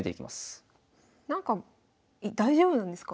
なんか大丈夫なんですか？